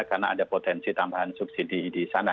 karena ada potensi tambahan subsidi di sana